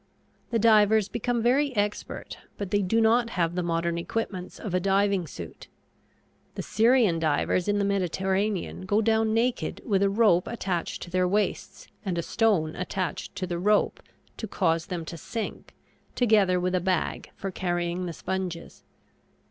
The divers become very expert, but they do not have the modern equipments of a diving suit. The Syrian divers in the Mediterranean go down naked with a rope attached to their waists and a stone attached to the rope to cause them to sink, together with a bag for carrying the sponges.